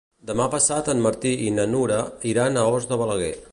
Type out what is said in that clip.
Demà passat en Martí i na Nura iran a Os de Balaguer.